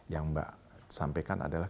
yang mbak sampaikan adalah